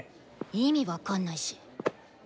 意味分かんないし。